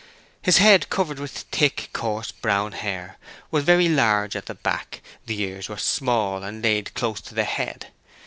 His head, covered with thick, coarse brown hair, was very large at the back; the ears were small and laid close to the head.